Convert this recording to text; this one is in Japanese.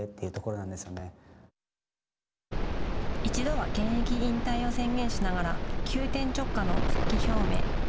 一度は現役引退を宣言しながら急転直下の復帰表明。